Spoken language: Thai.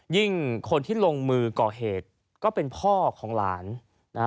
คนที่ลงมือก่อเหตุก็เป็นพ่อของหลานนะฮะ